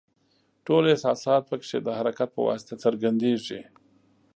ټول احساسات پکې د حرکت په واسطه څرګندیږي.